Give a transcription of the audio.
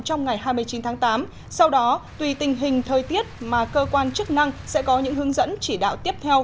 trong ngày hai mươi chín tháng tám sau đó tùy tình hình thời tiết mà cơ quan chức năng sẽ có những hướng dẫn chỉ đạo tiếp theo